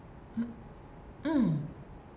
うん。